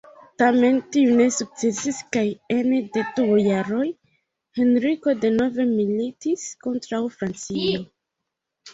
Tamen tiu ne sukcesis, kaj ene de du jaroj Henriko denove militis kontraŭ Francio.